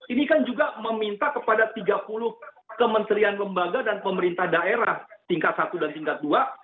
ini kan juga meminta kepada tiga puluh kementerian lembaga dan pemerintah daerah tingkat satu dan tingkat dua